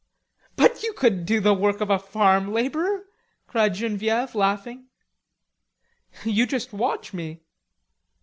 "But you couldn't do the work of a farm labourer," cried Genevieve, laughing. "You just watch me."